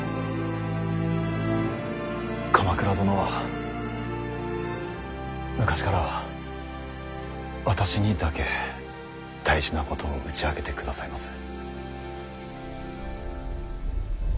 鎌倉殿は昔から私にだけ大事なことを打ち明けてくださいます。